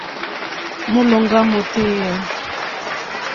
Mólòŋɡá mótéyà.